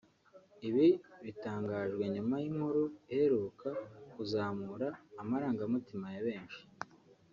Ibi bitangajwe nyuma y’inkuru iheruka kuzamura amarangamutima ya benshi